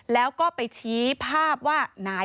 แล้วก็ไปชี้ภาพว่านาย